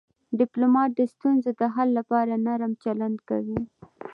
ډيپلومات د ستونزو د حل لپاره نرم چلند کوي.